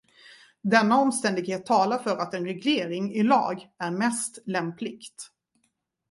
Denna omständighet talar för att en reglering i lag är mest lämpligt.